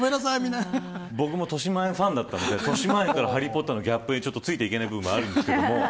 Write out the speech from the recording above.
僕もとしまえんファンだったんでとしまえんからハリー・ポッターのギャップについていけない部分もあります。